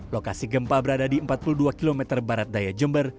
lokasi gempa berada di empat puluh dua km barat daya jember